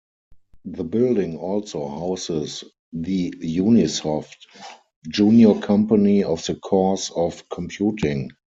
The building also houses the Unisoft, junior company of the course of computing.